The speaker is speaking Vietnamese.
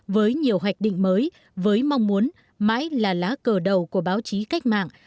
với nhiều hoạch định mới với mong muốn mãi là lá cờ đầu của báo chí cách mạng